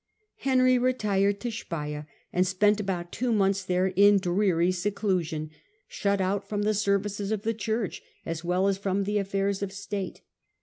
Henry retired to Speier and spent about two months there in dreary seclusion, shut out from the services, of the Church as well as from the affairs of State.